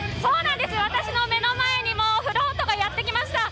私の目の前に、フロートがやってきました。